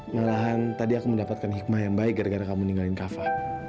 malahan tadi aku mendapatkan hikmah yang baik gara gara kamu meninggalin kava